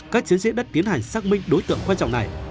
các chiến sĩ đã tiến hành xác minh đối tượng quan trọng này